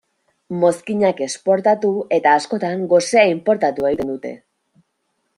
Mozkinak esportatu eta askotan gosea inportatu egiten dute.